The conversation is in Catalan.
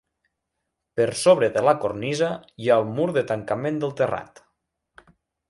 Per sobre de la cornisa hi ha el mur de tancament del terrat.